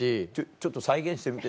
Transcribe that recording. ちょっと再現してみて。